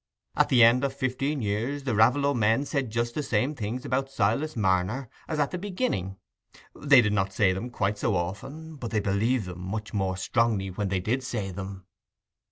At the end of fifteen years the Raveloe men said just the same things about Silas Marner as at the beginning: they did not say them quite so often, but they believed them much more strongly when they did say them.